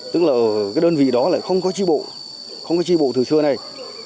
tức là cái đơn vị đó lại không có tri bộ không có tri bộ từ xưa này